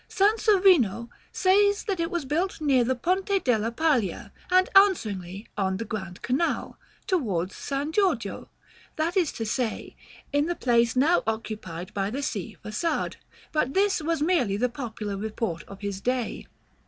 Sansovino says that it was "built near the Ponte della Paglia, and answeringly on the Grand Canal," towards San Giorgio; that is to say, in the place now occupied by the Sea Façade; but this was merely the popular report of his day.